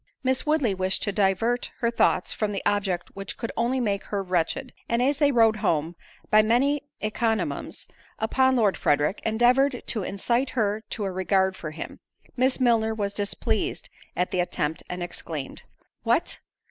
Miss Woodley wished to divert her thoughts from the object which could only make her wretched, and as they rode home, by many encomiums upon Lord Frederick, endeavoured to incite her to a regard for him; Miss Milner was displeased at the attempt, and exclaimed, "What!